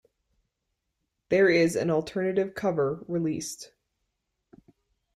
There is an alternative cover released.